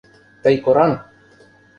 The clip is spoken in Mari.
тый кораҥ!